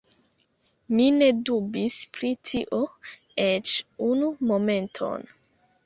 Mi ne dubis pri tio eĉ unu momenton.